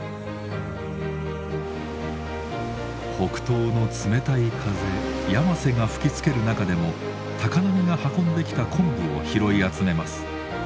北東の冷たい風やませが吹きつける中でも高波が運んできた昆布を拾い集めます。